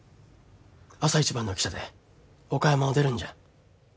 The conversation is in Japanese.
朝一番の汽車で岡山を出るんじゃ。